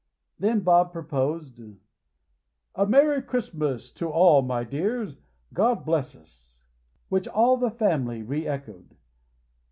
Then Bob proposed: "A Merry Christmas to all, my dears. God bless us!" Which all the family re echoed.